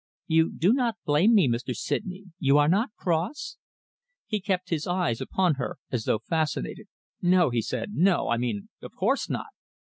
You do not blame me, Mr. Sydney? You are not cross?" He kept his eyes upon her as though fascinated. "No!" he said. "No! I mean of course not."